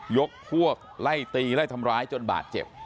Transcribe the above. ยกพวกไล่ตีไล่ทำร้ายจนบาดเจ็บ